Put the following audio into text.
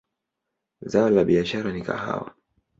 Zao la biashara ni kahawa.